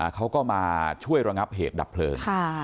เขาก็มาช่วยระงับเหตุดับเพลิง